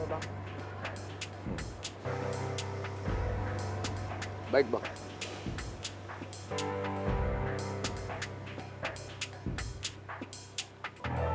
jadi kayak gitu ya vielen perché kalian sukaita the